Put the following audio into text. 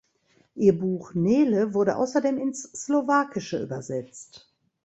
Ihr Buch „Nele“ wurde außerdem ins Slowakische übersetzt.